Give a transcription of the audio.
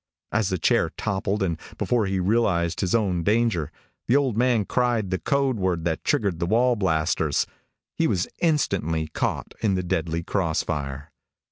As the chair toppled and before he realized his own danger, the old man cried the code word that triggered the wall blasters. He was instantly caught in the deadly cross fire.